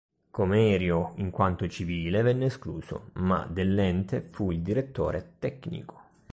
Comerio in quanto civile venne escluso, ma dell'Ente fu il direttore tecnico.